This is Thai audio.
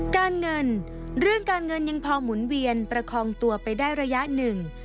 การเงินเรื่องการเงินยังพอหมุนเวียนประคองตัวไปได้ระยะหนึ่ง